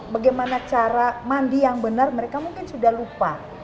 bagaimana cara mandi yang benar mereka mungkin sudah lupa